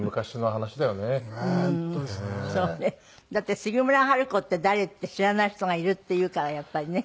だって杉村春子って誰？って知らない人がいるっていうからやっぱりね。